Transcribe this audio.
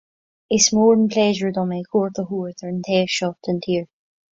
Is mór an pléisiúr dom é cuairt a thabhairt ar an taobh seo den tír